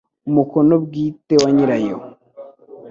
umukono bwite wa nyirayo